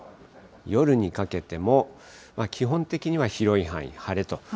夜にかけても、基本的には広い範囲、晴れと。